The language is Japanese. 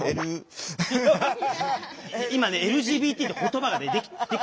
今ねＬＧＢＴって言葉ができてる。